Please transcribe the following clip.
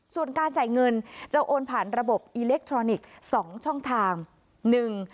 ส่วนการจ่ายเงินจะโอนผ่านระบบอิเล็กทรอนิกส์สองช่องทางหนึ่ง